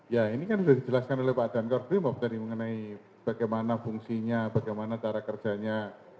ya ini kan sudah dijelaskan oleh pak dankor brimob tadi mengenai bagaimana fungsinya bagaimana cara kerjanya